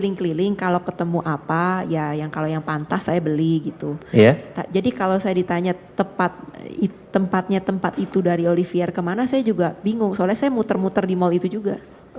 ini apakah orang yang sama